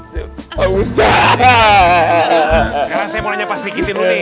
sekarang saya mau tanya pas dikitin lu nih